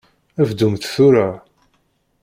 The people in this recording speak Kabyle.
Bdumt tura!